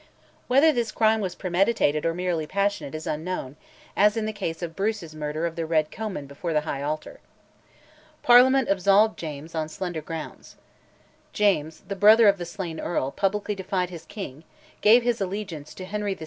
Whether this crime was premeditated or merely passionate is unknown, as in the case of Bruce's murder of the Red Comyn before the high altar. Parliament absolved James on slender grounds. James, the brother of the slain earl, publicly defied his king, gave his allegiance to Henry VI.